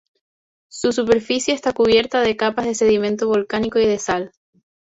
Su superficie está cubierta de capas de sedimento volcánico y de sal.